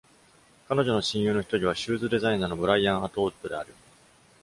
彼女の親友のひとりは、シューズデザイナーのブライアン・アトウッドである。